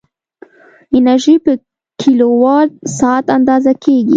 انرژي په کیلووات ساعت اندازه کېږي.